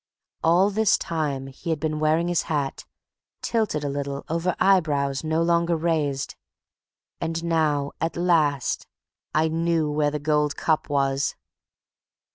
All this time he had been wearing his hat, tilted a little over eyebrows no longer raised. And now at last I knew where the gold cup was.